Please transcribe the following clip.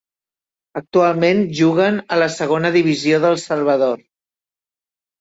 Actualment juguen a la segona divisió de El Salvador.